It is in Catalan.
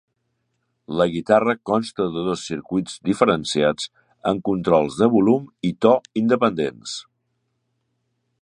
La guitarra consta de dos circuits diferenciats amb controls de volum i to independents.